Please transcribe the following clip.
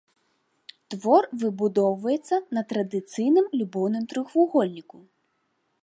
Твор выбудоўваецца на традыцыйным любоўным трохвугольніку.